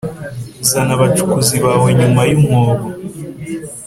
zana abacukuzi bawe nyuma yumwobo.